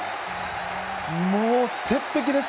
もう鉄壁です。